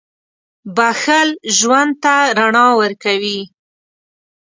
• بښل ژوند ته رڼا ورکوي.